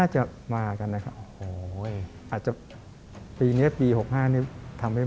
ใช่ใช่อันนี้ไม่ได้